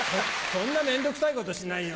そんな面倒くさいことしないよ。